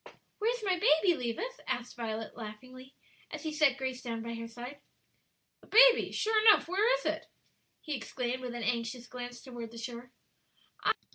"Where's my baby, Levis?" asked Violet, laughingly, as he set Grace down by her side. "The baby! Sure enough, where is it?" he exclaimed, with an anxious glance toward the shore.